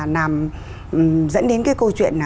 nằm dẫn đến cái câu chuyện